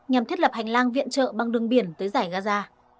nhằm thiết lập hành lang viện trợ bằng đường biển tới giải gaza